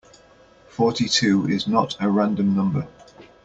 Forty-two is not a random number.